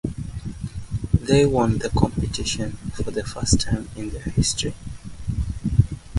They won the competition for the first time in their history.